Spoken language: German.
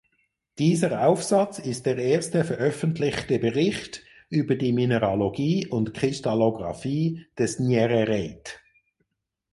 Dieser Aufsatz ist der erste veröffentlichte Bericht über die Mineralogie und Kristallographie des Nyerereit.